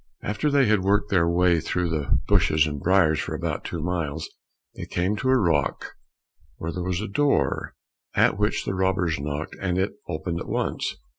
After they had worked their way through bushes and briars for about two miles, they came to a rock where there was a door, at which the robbers knocked and it opened at once.